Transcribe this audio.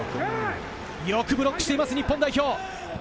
よくブロックしています日本代表。